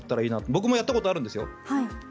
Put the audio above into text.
僕もやったことあるんですよ。